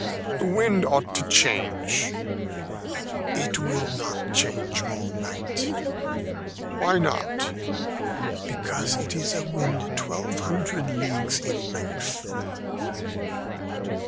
"The wind ought to change." "It will not change all night." "Why not?" "Because it is a wind twelve hundred leagues in length."